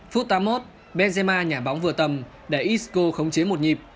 phút tám mươi một benzema nhả bóng vừa tầm để isco khống chế một nhịp